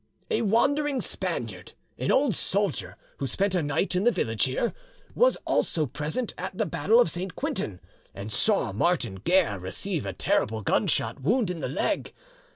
A wandering Spaniard, an old soldier, who spent a night in the village here, was also present at the battle of St. Quentin, and saw Martin Guerre receive a terrible gunshot wound in the leg.